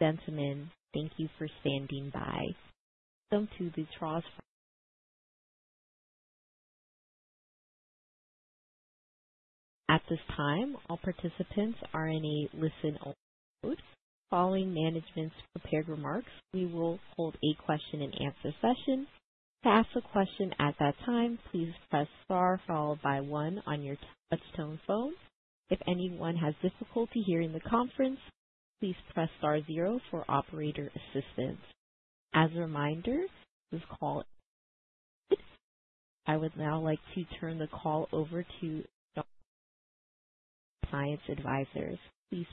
Gentlemen, thank you for standing by. At this time, all participants are in a listen-only mode. Following management's prepared remarks, we will hold a question and answer session. To ask a question at that time, please press star followed by one on your touchtone phone. If anyone has difficulty hearing the conference, please press star zero for operator assistance. I would now like to turn the call over to LifeSci Advisors. Please.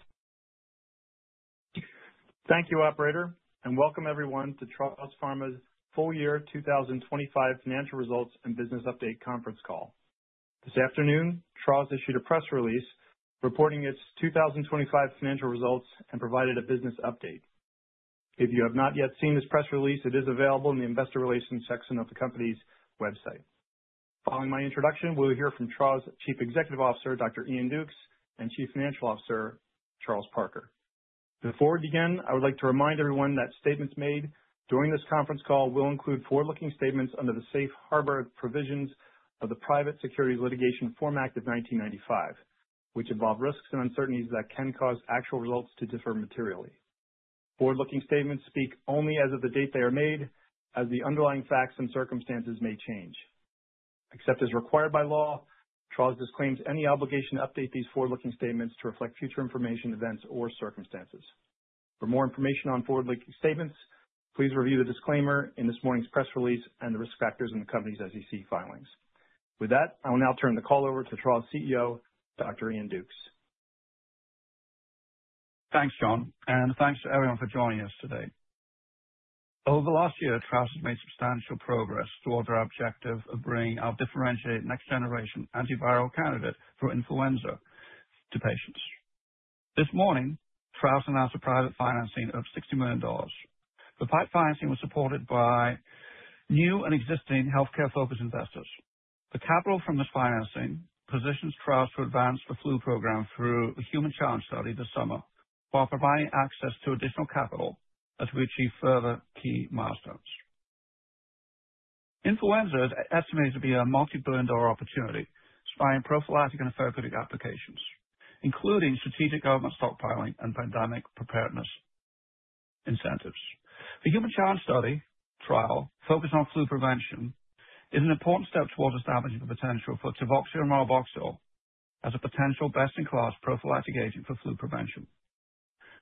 Thank you, operator, and welcome everyone to Traws Pharma's full year 2025 financial results and business update conference call. This afternoon, Traws issued a press release reporting its 2025 financial results and provided a business update. If you have not yet seen this press release, it is available in the investor relations section of the company's website. Following my introduction, we'll hear from Traws Chief Executive Officer, Iain D. Dukes, and Chief Financial Officer, Charles Parker. Before we begin, I would like to remind everyone that statements made during this conference call will include forward-looking statements under the Safe Harbor Provisions of the Private Securities Litigation Reform Act of 1995, which involve risks and uncertainties that can cause actual results to differ materially. Forward-looking statements speak only as of the date they are made, as the underlying facts and circumstances may change. Except as required by law, Traws disclaims any obligation to update these forward-looking statements to reflect future information, events, or circumstances. For more information on forward-looking statements, please review the disclaimer in this morning's press release and the risk factors in the company's SEC filings. With that, I will now turn the call over to Traws's CEO, Dr. Iain D. Dukes. Thanks, John, and thanks to everyone for joining us today. Over the last year, Traws has made substantial progress towards our objective of bringing our differentiated next generation antiviral candidate for influenza to patients. This morning, Traws announced a private financing of $60 million. The PIPE financing was supported by new and existing healthcare-focused investors. The capital from this financing positions Traws to advance the flu program through the human challenge study this summer, while providing access to additional capital as we achieve further key milestones. Influenza is estimated to be a multi-billion-dollar opportunity, spanning prophylactic and therapeutic applications, including strategic government stockpiling and pandemic preparedness incentives. The human challenge study trial focused on flu prevention is an important step towards establishing the potential for Tivoxavir marboxil as a potential best-in-class prophylactic agent for flu prevention.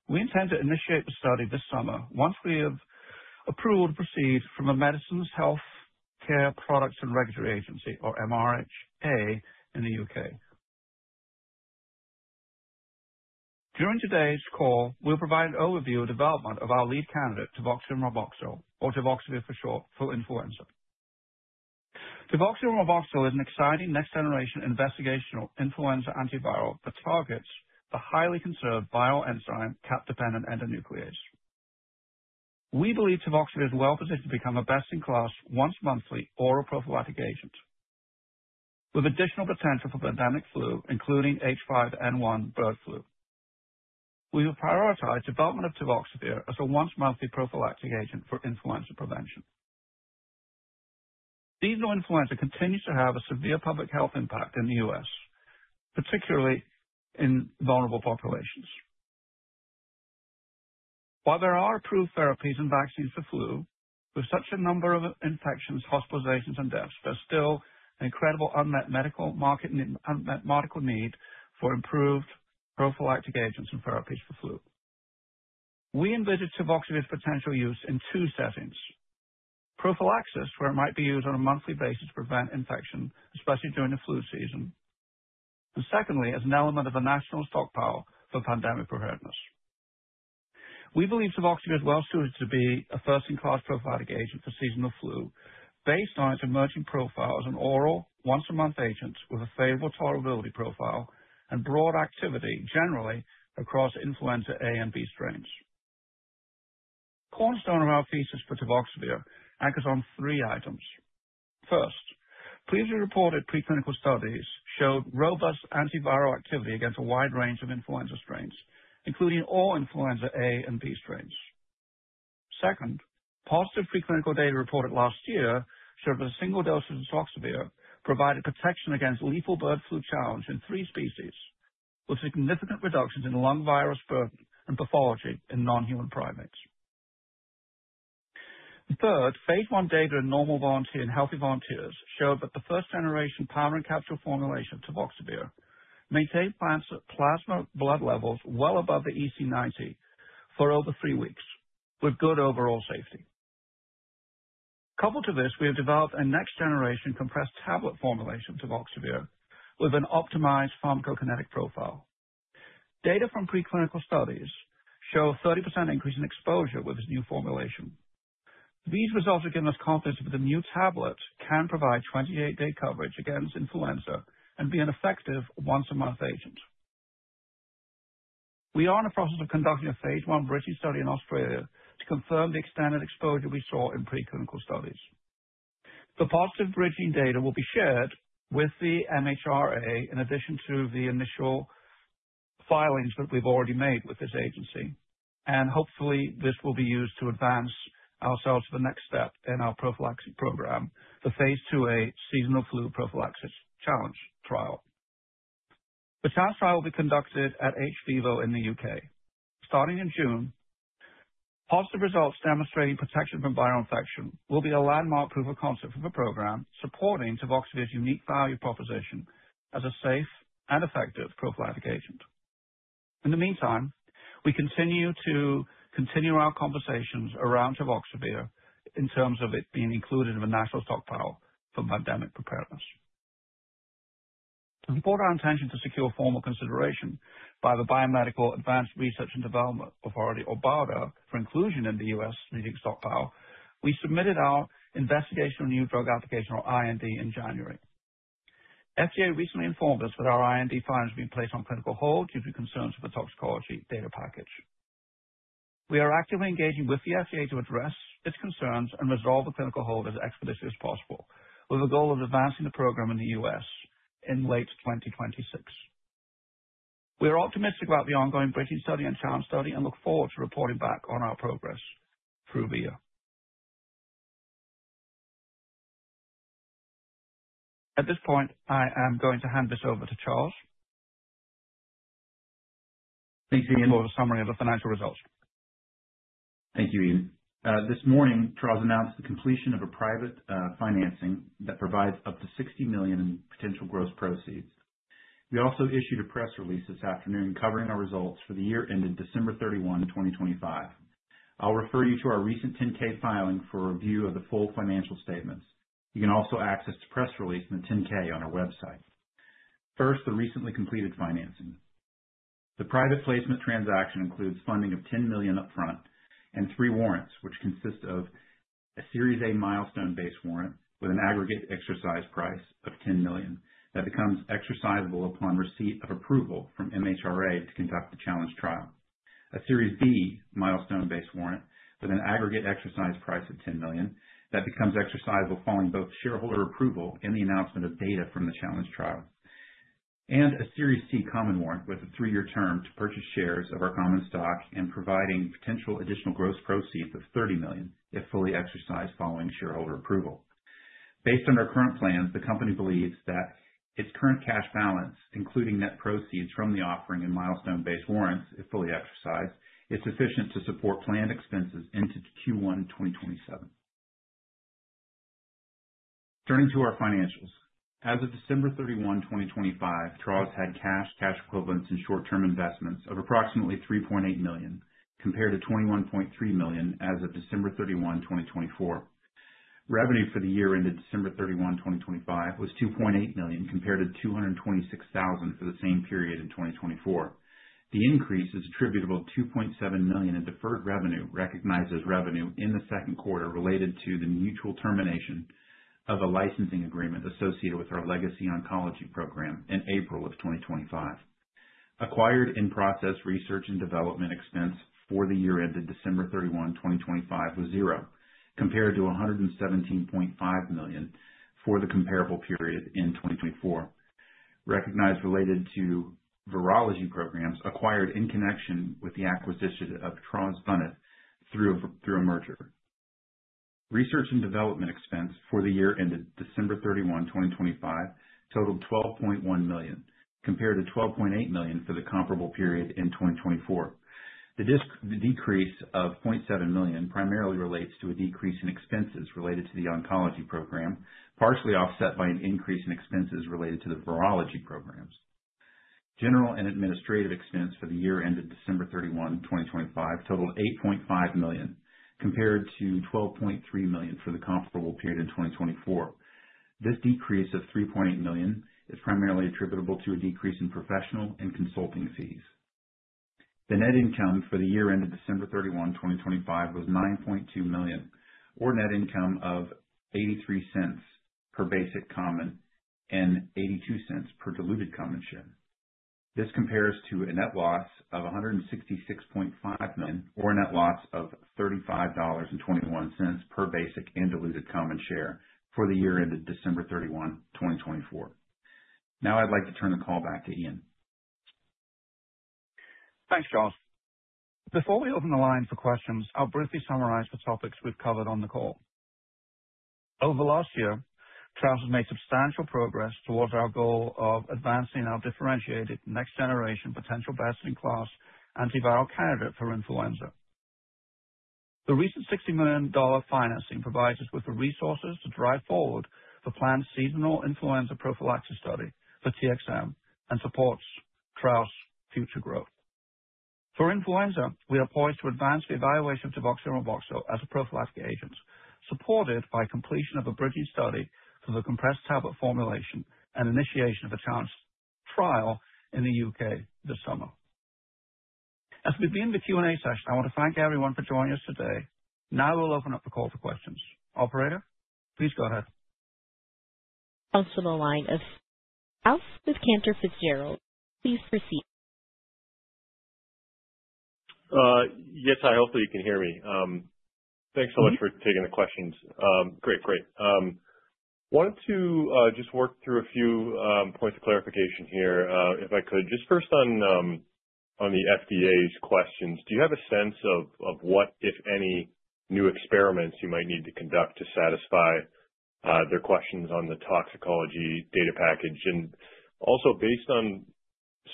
We intend to initiate the study this summer once we have approval to proceed from the Medicines and Healthcare products Regulatory Agency, or MHRA, in the U.K. During today's call, we'll provide an overview of development of our lead candidate Tivoxavir marboxil, or Tivoxavir for short, for influenza. Tivoxavir marboxil is an exciting next generation investigational influenza antiviral that targets the highly conserved viral enzyme Cap-dependent endonuclease. We believe Tivoxavir is well-positioned to become a best-in-class once monthly oral prophylactic agent with additional potential for pandemic flu, including H5N1 bird flu. We will prioritize development of Tivoxavir as a once monthly prophylactic agent for influenza prevention. Seasonal influenza continues to have a severe public health impact in the U.S., particularly in vulnerable populations. While there are approved therapies and vaccines for flu, with such a number of infections, hospitalizations, and deaths, there's still an incredible unmet medical need for improved prophylactic agents and therapies for flu. We envisage Tivoxavir's potential use in two settings. Prophylaxis, where it might be used on a monthly basis to prevent infection, especially during the flu season. Secondly, as an element of a national stockpile for pandemic preparedness. We believe Tivoxavir is well-suited to be a first-in-class prophylactic agent for seasonal flu based on its emerging profile as an oral once-a-month agent with a favorable tolerability profile and broad activity generally across influenza A and B strains. Cornerstone of our thesis for Tivoxavir anchors on three items. First, previously reported preclinical studies showed robust antiviral activity against a wide range of influenza strains, including all influenza A and B strains. Second, positive preclinical data reported last year showed that a single dose of Tivoxavir provided protection against lethal bird flu challenge in three species, with significant reductions in lung virus burden and pathology in non-human primates. Third, phase I data in normal volunteer and healthy volunteers showed that the first generation powder and capsule formulation of Tivoxavir maintained plasma blood levels well above the EC90 for over three weeks with good overall safety. Coupled to this, we have developed a next generation compressed tablet formulation of Tivoxavir with an optimized pharmacokinetic profile. Data from preclinical studies show 30% increase in exposure with this new formulation. These results have given us confidence that the new tablet can provide 28-day coverage against influenza and be an effective once-a-month agent. We are in the process of conducting a phase I bridge study in Australia to confirm the extended exposure we saw in preclinical studies. The positive bridging data will be shared with the MHRA in addition to the initial filings that we've already made with this agency, and hopefully this will be used to advance ourselves to the next step in our prophylaxis program, the phase IIa seasonal flu prophylaxis challenge trial. The challenge trial will be conducted at hVIVO in the U.K. starting in June. Positive results demonstrating protection from viral infection will be a landmark proof of concept for the program, supporting Tivoxavir's unique value proposition as a safe and effective prophylactic agent. In the meantime, we continue to our conversations around Tivoxavir in terms of it being included in the national stockpile for pandemic preparedness. To support our intention to secure formal consideration by the Biomedical Advanced Research and Development Authority, or BARDA, for inclusion in the U.S. strategic stockpile, we submitted our Investigational New Drug application, or IND, in January. FDA recently informed us that our IND filing has been placed on clinical hold due to concerns with the toxicology data package. We are actively engaging with the FDA to address its concerns and resolve the clinical hold as expeditiously as possible, with a goal of advancing the program in the U.S. in late 2026. We are optimistic about the ongoing bridging study and challenge study and look forward to reporting back on our progress through via. At this point, I am going to hand this over to Charles. Thank you. To provide a summary of the financial results. Thank you, Iain. This morning, Traws announced the completion of a private financing that provides up to $60 million in potential gross proceeds. We also issued a press release this afternoon covering our results for the year ended December 31, 2025. I'll refer you to our recent 10-K filing for review of the full financial statements. You can also access the press release and the 10-K on our website. First, the recently completed financing. The private placement transaction includes funding of $10 million upfront and three warrants, which consist of a Series A milestone-based warrant with an aggregate exercise price of $10 million that becomes exercisable upon receipt of approval from MHRA to conduct the challenge trial. A Series B milestone-based warrant with an aggregate exercise price of $10 million that becomes exercisable following both shareholder approval and the announcement of data from the challenge trial. A Series C common warrant with a 3-year term to purchase shares of our common stock and providing potential additional gross proceeds of $30 million if fully exercised following shareholder approval. Based on our current plans, the company believes that its current cash balance, including net proceeds from the offering in milestone-based warrants, if fully exercised, is sufficient to support planned expenses into Q1 2027. Turning to our financials. As of December 31, 2025, Traws had cash equivalents and short-term investments of approximately $3.8 million, compared to $21.3 million as of December 31, 2024. Revenue for the year ended December 31, 2025 was $2.8 million, compared to $226,000 for the same period in 2024. The increase is attributable to $0.7 million in deferred revenue recognized as revenue in the second quarter related to the mutual termination of a licensing agreement associated with our legacy oncology program in April 2025. Acquired in-process research and development expense for the year ended December 31, 2025 was 0, compared to $117.5 million for the comparable period in 2024, recognized related to virology programs acquired in connection with the acquisition of Traws funded through a merger. Research and development expense for the year ended December 31, 2025 totaled $12.1 million, compared to $12.8 million for the comparable period in 2024. The decrease of $0.7 million primarily relates to a decrease in expenses related to the oncology program, partially offset by an increase in expenses related to the virology programs. General and administrative expense for the year ended December 31, 2025 totaled $8.5 million, compared to $12.3 million for the comparable period in 2024. This decrease of $3.8 million is primarily attributable to a decrease in professional and consulting fees. The net income for the year ended December 31, 2025 was $9.2 million, or net income of $0.83 per basic common and $0.82 per diluted common share. This compares to a net loss of $166.5 million or a net loss of $35.21 per basic and diluted common share for the year ended December 31, 2024. Now I'd like to turn the call back to Ian. Thanks, Charles. Before we open the line for questions, I'll briefly summarize the topics we've covered on the call. Over the last year, Traws has made substantial progress towards our goal of advancing our differentiated next generation potential best-in-class antiviral candidate for influenza. The recent $60 million financing provides us with the resources to drive forward the planned seasonal influenza prophylaxis study for TXM and supports Traws's future growth. For influenza, we are poised to advance the evaluation of Tivoxavir marboxil as a prophylactic agent, supported by completion of a bridging study for the compressed tablet formulation and initiation of a challenge trial in the U.K. this summer. As we begin the Q&A session, I want to thank everyone for joining us today. Now we'll open up the call for questions. Operator, please go ahead. Also the line of Alethia Young with Cantor Fitzgerald. Please proceed. Yes, hi, hopefully you can hear me. Thanks so much for taking the questions. Great. Wanted to just work through a few points of clarification here, if I could. Just first on the FDA's questions, do you have a sense of what, if any, new experiments you might need to conduct to satisfy their questions on the toxicology data package? And also, based on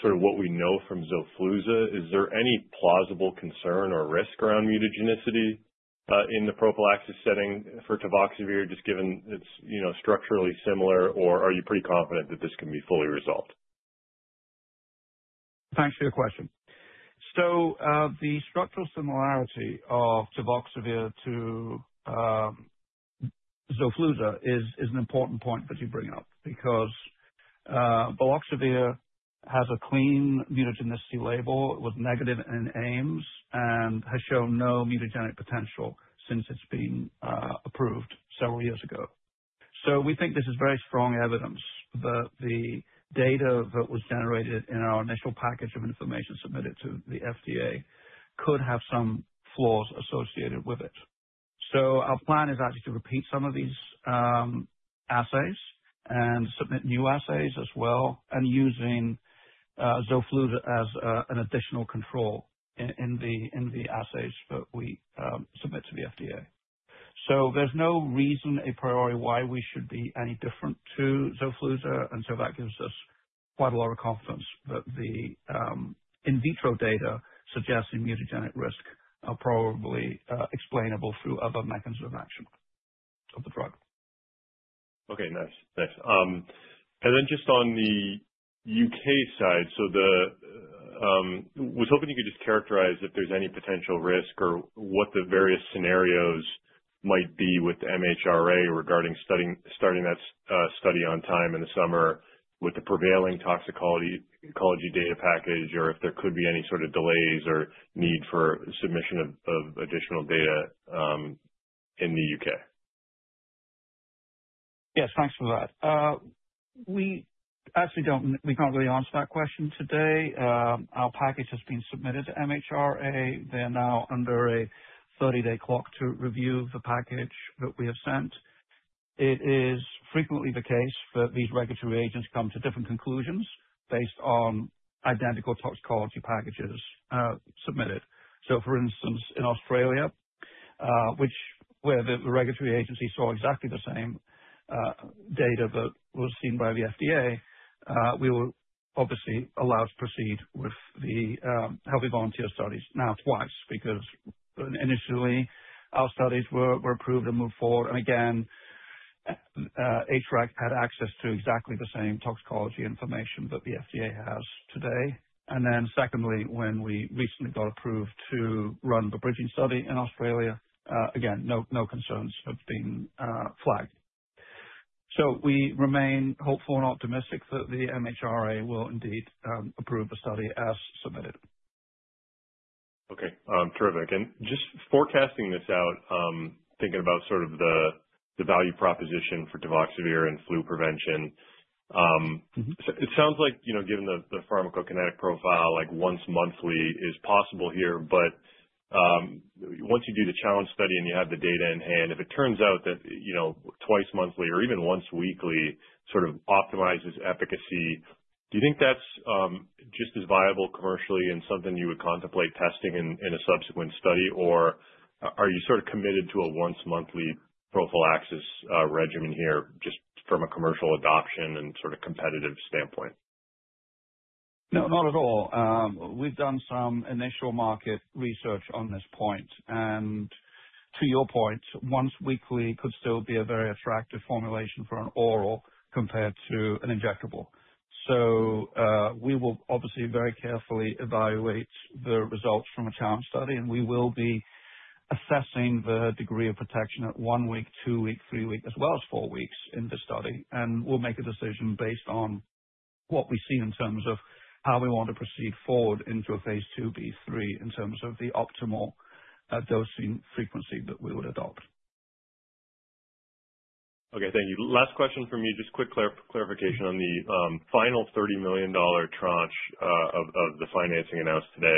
sort of what we know from Xofluza, is there any plausible concern or risk around mutagenicity in the prophylaxis setting for Tivoxavir, just given it's structurally similar? Or are you pretty confident that this can be fully resolved? Thanks for your question. The structural similarity of Tivoxavir to Xofluza is an important point that you bring up, because Tivoxavir has a clean mutagenicity label, it was negative in Ames, and has shown no mutagenic potential since it's been approved several years ago. We think this is very strong evidence that the data that was generated in our initial package of information submitted to the FDA could have some flaws associated with it. Our plan is actually to repeat some of these assays and submit new assays as well, and using Xofluza as an additional control in the assays that we submit to the FDA. There's no reason a priori why we should be any different to Xofluza, and so that gives us quite a lot of confidence that the in vitro data suggesting mutagenic risk are probably explainable through other mechanisms of action of the drug. Okay, nice. Just on the U.K. side, was hoping you could just characterize if there's any potential risk or what the various scenarios might be with the MHRA regarding starting that study on time in the summer with the prevailing toxicology data package, or if there could be any sort of delays or need for submission of additional data in the U.K.? Yes, thanks for that. We can't really answer that question today. Our package has been submitted to MHRA. They're now under a 30-day clock to review the package that we have sent. It is frequently the case that these regulatory agents come to different conclusions based on identical toxicology packages submitted. For instance, in Australia, where the regulatory agency saw exactly the same data that was seen by the FDA, we were obviously allowed to proceed with the healthy volunteer studies now twice, because initially our studies were approved and moved forward. Again, HREC had access to exactly the same toxicology information that the FDA has today. Then secondly, when we recently got approved to run the bridging study in Australia, again, no concerns have been flagged. We remain hopeful and optimistic that the MHRA will indeed approve the study as submitted. Okay, terrific. Just forecasting this out, thinking about sort of the value proposition for Tivoxavir in flu prevention. Mm-hmm. It sounds like, given the pharmacokinetic profile, like once monthly is possible here, but, once you do the challenge study and you have the data in hand, if it turns out that twice monthly or even once weekly sort of optimizes efficacy, do you think that's just as viable commercially and something you would contemplate testing in a subsequent study, or are you sort of committed to a once monthly prophylaxis regimen here, just from a commercial adoption and sort of competitive standpoint? No, not at all. We've done some initial market research on this point, and to your point, once weekly could still be a very attractive formulation for an oral compared to an injectable. We will obviously very carefully evaluate the results from a challenge study, and we will be assessing the degree of protection at 1 week, 2 week, 3 week, as well as 4 weeks in the study. We'll make a decision based on what we see in terms of how we want to proceed forward into a phase IIb/3 in terms of the optimal dosing frequency that we would adopt. Okay, thank you. Last question from me, just quick clarification on the final $30 million tranche of the financing announced today.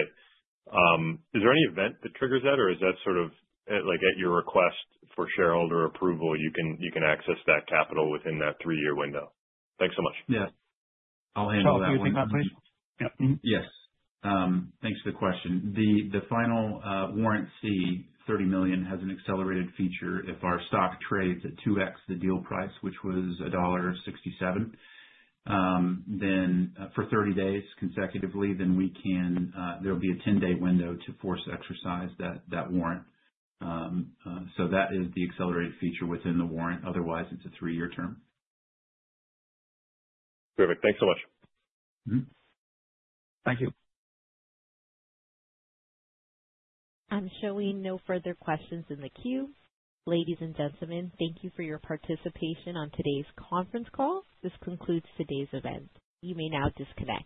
Is there any event that triggers that or is that sort of at your request for shareholder approval, you can access that capital within that 3-year window? Thanks so much. Yeah. I'll handle that one. Charles, can you take that please? Yep. Yes. Thanks for the question. The final warrant C, 30 million, has an accelerated feature. If our stock trades at 2x the deal price, which was $1.67 for 30 days consecutively, there'll be a 10-day window to force exercise that warrant. That is the accelerated feature within the warrant, otherwise, it's a 3-year term. Perfect. Thanks so much. Mm-hmm. Thank you. I'm showing no further questions in the queue. Ladies and gentlemen, thank you for your participation on today's conference call. This concludes today's event. You may now disconnect.